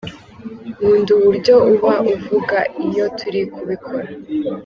Nkunda uburyo uba uvuga iyo turi kubikora .